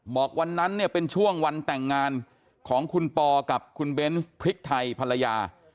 วันนั้นเนี่ยเป็นช่วงวันแต่งงานของคุณปอกับคุณเบนส์พริกไทยภรรยา